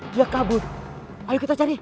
dia kabur ayo kita cari